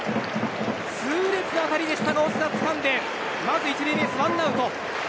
痛烈な当たりでしたがオスナはつかんでまず１塁ベースでワンアウト。